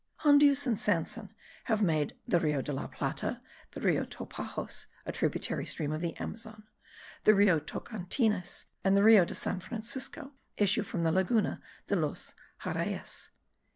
Hondius and Sanson have made the Rio de la Plata, the Rio Topajos (a tributary stream of the Amazon), the Rio Tocantines, and the Rio de San Francisco, issue from the Laguna de los Xarayes.)